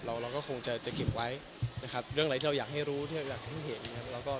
เราก็คงจะเก็บไว้เรื่องอะไรที่เราอยากให้รู้ที่เราอยากให้เห็น